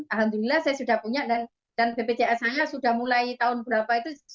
alhamdulillah saya sudah punya dan bpjs saya sudah mulai tahun berapa itu